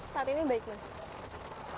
saat ini baik mas